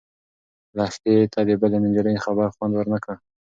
لښتې ته د بلې نجلۍ خبر خوند ورنه کړ.